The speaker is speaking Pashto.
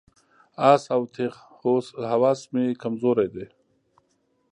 آس او تیغ هوس مې کمزوري ده.